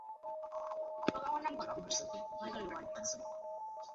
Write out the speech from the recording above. দাদিমা এটাও বলেছেন যে রব একজন সমকামী ছিল।